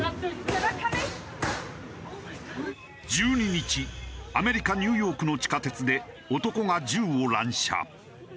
１２日アメリカニューヨークの地下鉄で男が銃を乱射。